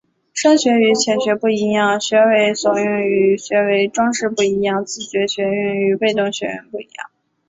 深学与浅学不一样、学为所用与学为‘装饰’不一样、自觉学用与被动学用不一样